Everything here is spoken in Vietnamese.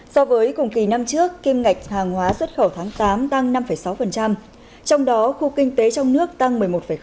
so với cùng kỳ năm trước kim ngạch hàng hóa xuất khẩu tháng tám tăng năm sáu trong đó khu kinh tế trong nước tăng một mươi một